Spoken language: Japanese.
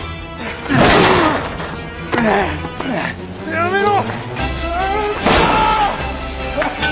やめろ！